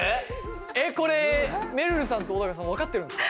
えっこれめるるさんと小高さん分かってるんですか？